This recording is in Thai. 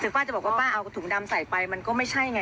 ป้าจะบอกว่าป้าเอาถุงดำใส่ไปมันก็ไม่ใช่ไง